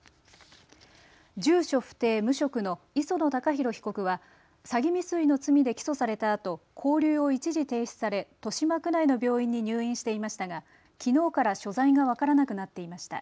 住所不定・無職の磯野貴博被告は詐欺未遂の罪で起訴されたあと勾留を一時停止され豊島区内の病院に入院していましたがきのうから所在が分からなくなっていました。